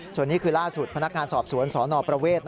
ส่วนนี้คือล่าสุดพนักงานสอบสวนสนประเวท